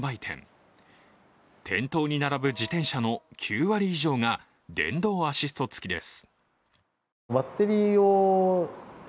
都内の自転車販売店、店頭に並ぶ自転車の９割以上が電動アシスト付きです。